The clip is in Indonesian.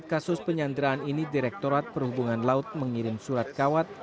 kasus penyanderaan ini direktorat perhubungan laut mengirim surat kawat